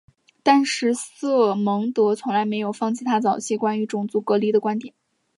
但是瑟蒙德从来没有放弃他早期的关于种族隔离的观点。